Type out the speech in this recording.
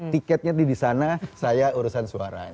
tiketnya di sana saya urusan suara